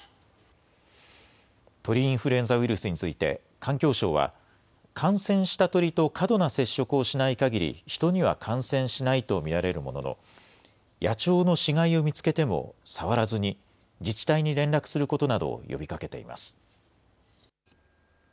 鳥インフルエンザウイルスについて、環境省は、感染した鳥と過度な接触をしないかぎり、人には感染しないと見られるものの、野鳥の死骸を見つけても触らずに、自治体に連絡することなどを呼びかけています。